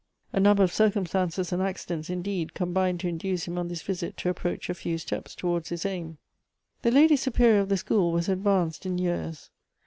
A number of circumstances and acci dents, indeed, combined to induce him on this visit to approach a few steps towards his aim. The Lady Superior of the school was advanced in years.